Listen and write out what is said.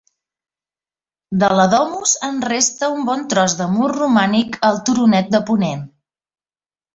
De la Domus en resta un bon tros de mur romànic al turonet de ponent.